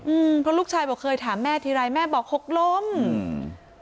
อืมเพราะลูกชายบอกเคยถามแม่ทีไรแม่บอกหกล้มอืม